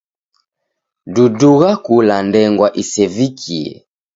Dudugha kula ndengwa isevikie.